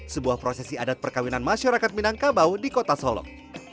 sebuah prosesi adat perkawinan masyarakat minangkabau di kota solok